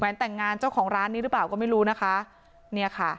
แต่งงานเจ้าของร้านนี้หรือเปล่าก็ไม่รู้นะคะเนี่ยค่ะ